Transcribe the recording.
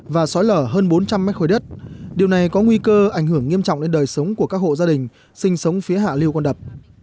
và xói lở hơn bốn trăm linh mét khối đất điều này có nguy cơ ảnh hưởng nghiêm trọng đến đời sống của các hộ gia đình sinh sống phía hạ lưu con đập